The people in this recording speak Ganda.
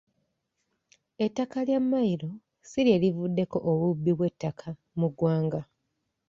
Ettaka lya mmayiro si lye livuddeko obubbi bw’ettaka mu ggwanga.